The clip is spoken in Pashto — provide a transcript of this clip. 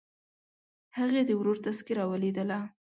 هغې د ورور تذکره ولیدله.